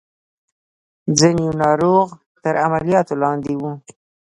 د ځينو ناروغ تر عملياتو لاندې وو.